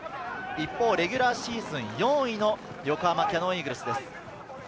一方、レギュラーシーズン４位の横浜キヤノンイーグルスです。